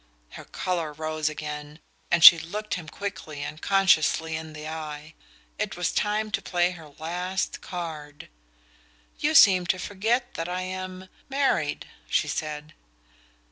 Her colour rose again, and she looked him quickly and consciously in the eye. It was time to play her last card. "You seem to forget that I am married," she said.